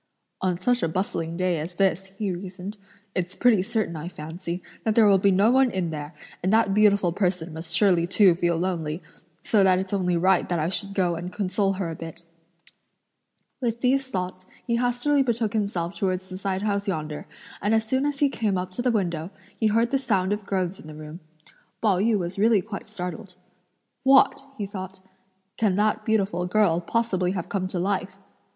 "On such a bustling day as this," he reasoned, "it's pretty certain, I fancy, that there will be no one in there; and that beautiful person must surely too feel lonely, so that it's only right that I should go and console her a bit." With these thoughts, he hastily betook himself towards the side house yonder, and as soon as he came up to the window, he heard the sound of groans in the room. Pao yü was really quite startled. "What!" (he thought), "can that beautiful girl, possibly, have come to life!"